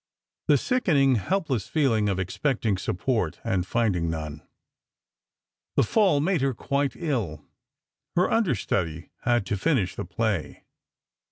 The sickening, helpless feeling of expecting support and finding none! The fall made her quite ill; her understudy had to finish the play.